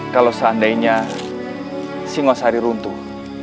kalau seandainya singosari runtuh